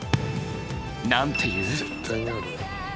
なんて言う？